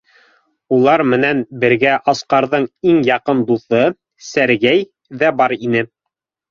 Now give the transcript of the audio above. Улар менән бергә Асҡарҙың иң яҡын дуҫы Сәргәй ҙә бар ине.